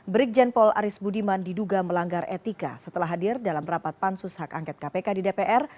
brigjen paul aris budiman diduga melanggar etika setelah hadir dalam rapat pansus hak angket kpk di dpr